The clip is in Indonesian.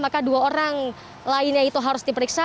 maka dua orang lainnya itu harus diperiksa